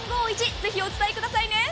ぜひお伝えくださいね。